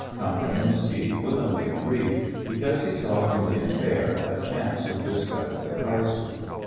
Count Renenski willingly agreed, because he saw in the affair a chance to discredit the Kaiser.